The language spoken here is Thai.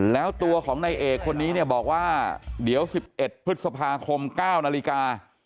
แล้วตัวของในเอกคนนี้เนี่ยบอกว่าเดี๋ยวสิบเอ็ดพฤษภาคมเก้านาฬิกา